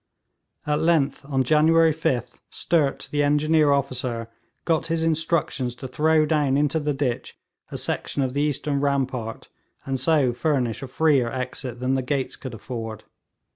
At length on January 5th, Sturt the engineer officer got his instructions to throw down into the ditch a section of the eastern rampart, and so furnish a freer exit than the gates could afford.